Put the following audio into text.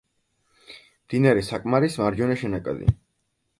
მდინარე საკმარის მარჯვენა შენაკადი.